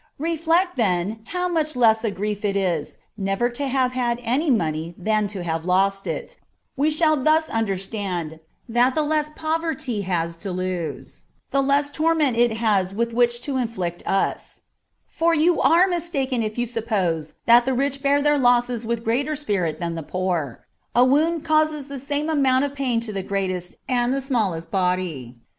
Reflect, then, how much less a grief it is never to have had any money than to have lost it: we shall thus understand that the less poverty has to lose, the less torment it has with which to afflict us : for you are mistaken if you suppose that the rich bear their losses with greater spirit than the poor : a wound causes the same amount of pain to the greatest and the smallest body.